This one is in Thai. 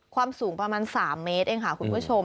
ความสูงประมาณ๓เมตรเองค่ะคุณผู้ชม